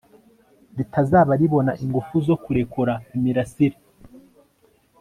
ritazaba ribona ingufu zo kurekura imirasire